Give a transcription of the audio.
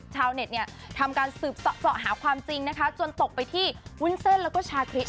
ชาวเน็ตเนี่ยทำการสืบเสาะหาความจริงนะคะจนตกไปที่วุ้นเส้นแล้วก็ชาคริส